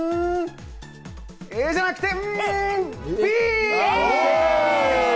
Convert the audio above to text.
ＡじゃなくてＢ！